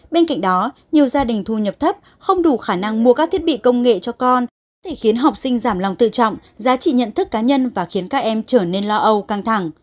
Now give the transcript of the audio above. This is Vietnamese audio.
bên cạnh đó nhiều gia đình thu nhập thấp không đủ khả năng mua các thiết bị công nghệ cho con có thể khiến học sinh giảm lòng tự trọng giá trị nhận thức cá nhân và khiến các em trở nên lo âu căng thẳng